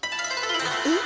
えっ？